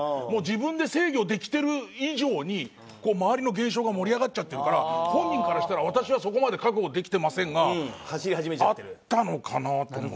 もう自分で制御できてる以上に周りの現象が盛り上がっちゃってるから本人からしたら「私はそこまで覚悟できてません」があったのかな？と思って。